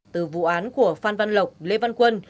từ vụ án của phan văn lộc lê văn quân